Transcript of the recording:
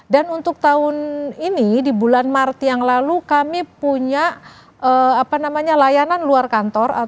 dan untuk tahun ini di bulan maret yang lalu kami punya apa namanya layanan luar kantor